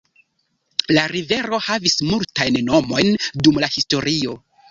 La rivero havis multajn nomojn dum la historio.